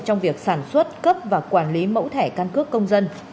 trong việc sản xuất cấp và quản lý mẫu thẻ căn cước công dân